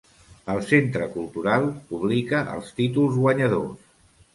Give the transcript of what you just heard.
El Centre Cultural publica els títols guanyadors.